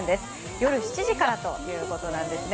夜７時からということなんですね。